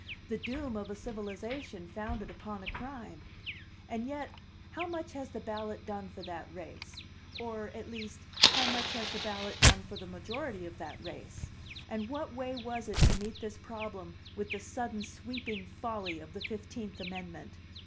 the doom of a civilization founded upon a crime. And yet, how much has the ballot done for that race? Or, at least, how much has the ballot done for the majority of that race? And what way was it to meet this problem with the sudden sweeping folly of the Fifteenth Amendment?